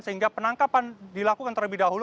sehingga penangkapan dilakukan terlebih dahulu